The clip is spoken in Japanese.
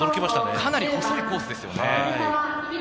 かなり細いコースでしたよね。